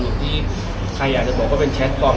หรือว่าการเสดอาลัยเทสปลอม